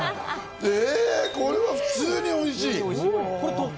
これ、普通においしい。